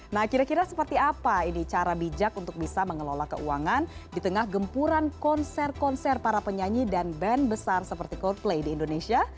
nah kira kira seperti apa ini cara bijak untuk bisa mengelola keuangan di tengah gempuran konser konser para penyanyi dan band besar seperti coldplay di indonesia